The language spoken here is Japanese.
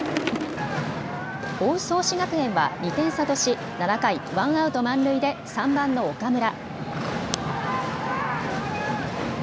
追う創志学園は２点差とし７回ワンアウト満塁で３番の岡村。